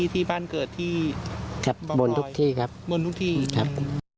ที่บ้านเกิดที่บนทุกที่ครับ